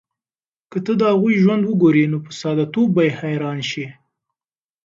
که ته د هغوی ژوند وګورې، نو په ساده توب به یې حیران شې.